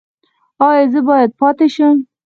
ایا زه باید پاتې شم؟